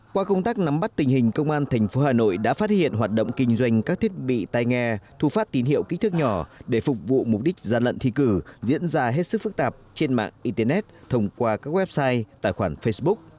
qua công tác nắm bắt tình hình công an tp hà nội đã phát hiện hoạt động kinh doanh các thiết bị tay nghe thu phát tín hiệu kích thước nhỏ để phục vụ mục đích gian lận thi cử diễn ra hết sức phức tạp trên mạng internet thông qua các website tài khoản facebook